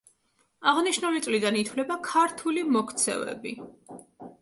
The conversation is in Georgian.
აღნიშნული წლიდან ითვლება ქართული მოქცევები.